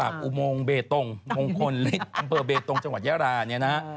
อุโมงเบตงมงคลฤทธิ์อำเภอเบตงจังหวัดยาราเนี่ยนะฮะ